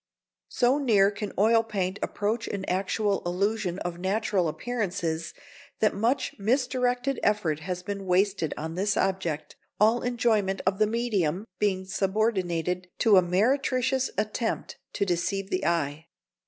So near can oil paint approach an actual illusion of natural appearances, that much misdirected effort has been wasted on this object, all enjoyment of the medium being subordinated to a meretricious attempt to deceive the eye.